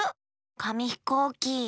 かみひこうき。